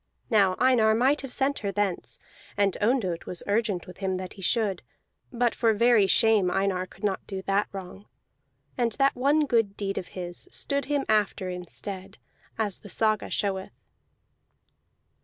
Now Einar might have sent her thence, and Ondott was urgent with him that he should; but for very shame Einar could not do that wrong, and that one good deed of his stood him after in stead, as the saga showeth.